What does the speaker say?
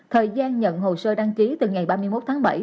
thời gian nhận hồ sơ đăng ký từ ngày ba mươi một tháng bảy